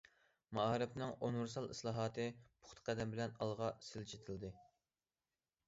مائارىپنىڭ ئۇنىۋېرسال ئىسلاھاتى پۇختا قەدەم بىلەن ئالغا سىلجىتىلدى.